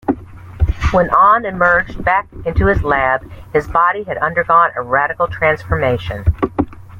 When Ohnn emerged back into his lab, his body had undergone a radical transformation.